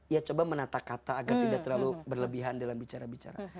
ya coba menata kata agar tidak terlalu berlebihan dalam bicara bicara